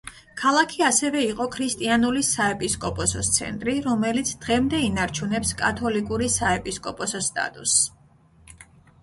ქალაქი ასევე იყო ქრისტიანული საეპისკოპოსოს ცენტრი, რომელიც დღემდე ინარჩუნებს კათოლიკური საეპისკოპოსოს სტატუსს.